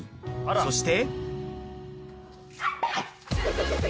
そして。